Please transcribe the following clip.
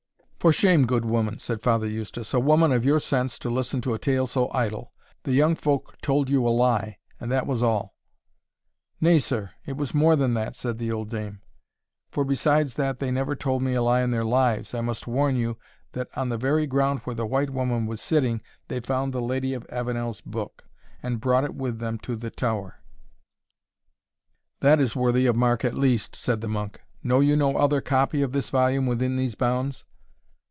"For shame, good woman!" said Father Eustace; "a woman of your sense to listen to a tale so idle! the young folk told you a lie, and that was all." "Nay, sir, it was more than that," said the old dame; "for, besides that they never told me a lie in their lives, I must warn you that on the very ground where the White Woman was sitting, they found the Lady of Avenel's book, and brought it with them to the tower." "That is worthy of mark at least," said the monk. "Know you no other copy of this volume within these bounds?"